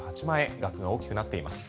額が大きくなっています。